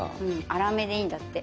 粗めでいいんだって。